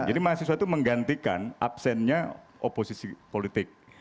jadi mahasiswa itu menggantikan absennya oposisi politik